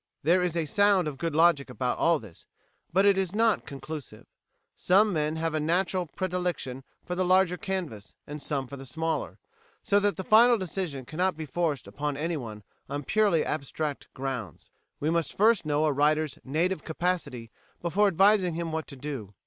There is a sound of good logic about all this, but it is not conclusive. Some men have a natural predilection for the larger canvas and some for the smaller, so that the final decision cannot be forced upon anyone on purely abstract grounds; we must first know a writer's native capacity before advising him what to do.